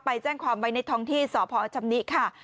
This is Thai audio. ไปแจ้งความไว้ในทองที่สอพอาจภรรย์นะอะค่ะ